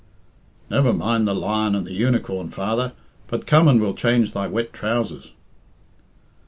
"Never mind the lion and the unicorn, father, but come and we'll change thy wet trousers."